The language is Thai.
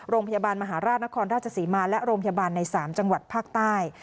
โรงพยาบาลมหาราชนครราชศรีมาและโรงพยาบาลใน๓จังหวัดภาคใต้